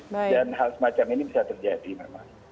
dan hal semacam ini bisa terjadi memang